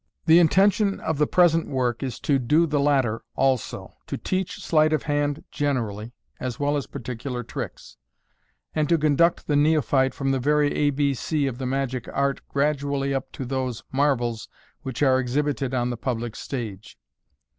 The intention of the present work is to do the latter also j to teach sleight of hand generally, as well as particular tricks j and to conduct the neophyte from the very A B C of the magic art gradually up to those marvels which are exhibited on the public stage.